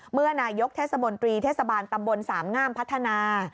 เมื่อนายกเทศมนตรีเทศบาลตำบลสามงามพัฒนา